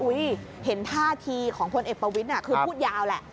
เห็นท่าทีของพลเอกประวิทย์คือพูดยาวแหละ